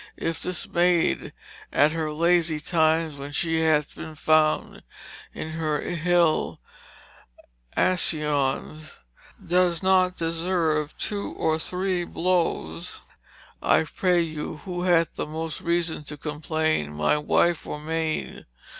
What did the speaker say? Yf this maide at her lazy tymes when she hath bin found in her yll accyons doe not disserve 2 or 3 blowes I pray you who hath the most reason to complain my Wyfe or maide.